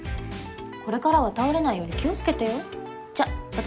これからは倒れないように気をつけてよじゃあ私